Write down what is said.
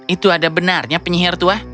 itu ada benarnya penyihir tua